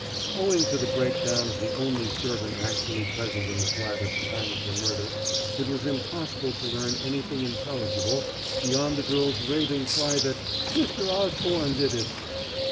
Owing to the breakdown of the only servant actually present in the flat at the time of the murder, it was impossible to learn anything intelligible beyond the girl's raving cry that "Mr. Osborne did it."